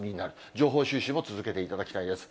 情報収集も続けていただきたいです。